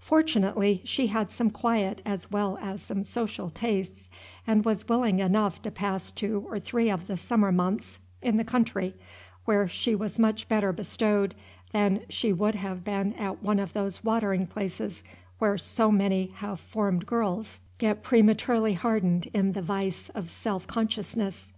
Fortunately, she had some quiet as well as some social tastes, and was willing enough to pass two or three of the summer months in the country, where she was much better bestowed than she would have been at one of those watering places where so many half formed girls get prematurely hardened in the vice of self consciousness.